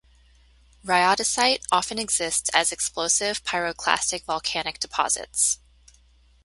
Rhyodacite often exists as explosive pyroclastic volcanic deposits.